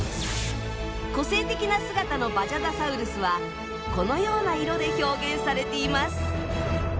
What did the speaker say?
個性的な姿のバジャダサウルスはこのような色で表現されています。